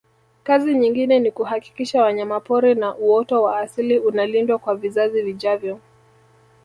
kazi nyingine ni kuhakisha wanyamapori na uoto wa asili unalindwa kwa vizazi vijavyo